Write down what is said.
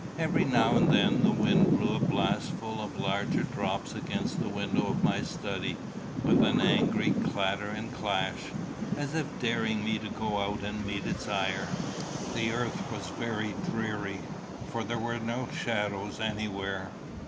Every now and then the wind blew a blastful of larger drops against the window of my study with an angry clatter and clash, as if daring me to go out and meet its ire. The earth was very dreary, for there were no shadows anywhere.